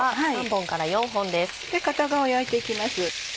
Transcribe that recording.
片側を焼いて行きます。